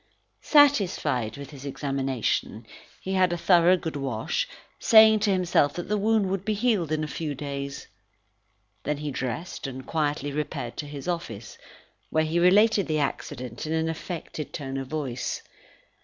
Satisfied with his examination, he had a thorough good wash, saying to himself that the wound would be healed in a few days. Then he dressed, and quietly repaired to his office, where he related the accident in an affected tone of voice.